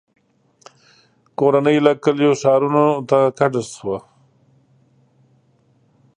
• کورنۍ له کلیو ښارونو ته کډه شوه.